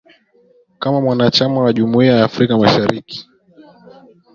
kama mwanachama wa jumuiya ya Afrika mashariki